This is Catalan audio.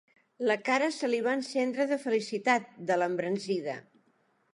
La cara se li va encendre de felicitat, de l'embranzida.